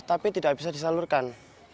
tapi tidak bisa disalurkan